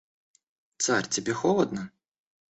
Царь тебе холодно?